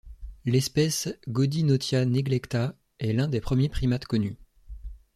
L'espèce Godinotia neglecta est l'un des premiers primates connus.